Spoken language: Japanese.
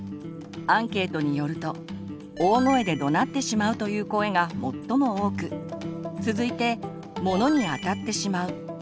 アンケートによると大声でどなってしまうという声が最も多く続いて物にあたってしまう。